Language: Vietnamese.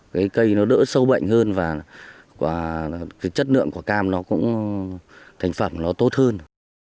cái cây nó đỡ sâu bệnh hơn và cái chất lượng của cam nó cũng thành phẩm nó tốt hơn